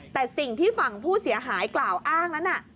แต่สิ่งที่ฝั่งผู้เสียหายกล่าวอ้างนั้นน่ะ